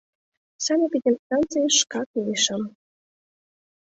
Санэпидстанцийыш шкак мийышым.